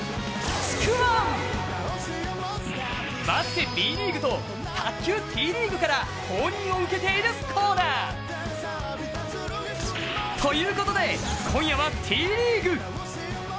バスケＢリーグと卓球Ｔリーグから公認を受けている、このコーナーということで、今夜はＴリーグ。